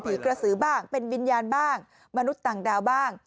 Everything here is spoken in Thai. กระสือบ้างเป็นวิญญาณบ้างมนุษย์ต่างดาวบ้าง